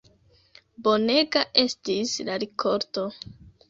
Bonega estis la rikolto.